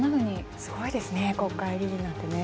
すごいですね国会議員なんて。